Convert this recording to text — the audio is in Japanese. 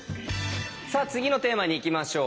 さあ次のテーマにいきましょう。